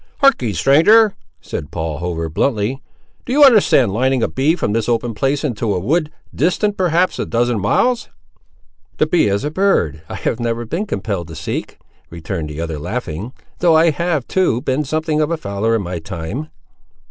"Harkee, stranger," said Paul Hover, bluntly; "do you understand lining a bee from this open place into a wood, distant, perhaps, a dozen miles?" "The bee is a bird I have never been compelled to seek," returned the other, laughing; "though I have, too, been something of a fowler in my time."